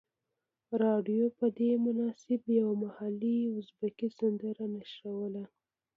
رادیو په دې مناسبت یوه محلي ازبکي سندره نشروله.